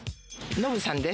ノブさんです。